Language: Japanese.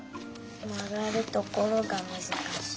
まがるところがむずかしい。